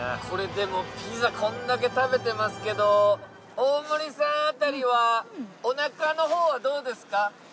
これでもピザこんだけ食べてますけど大森さんあたりはおなかのほうはどうですか？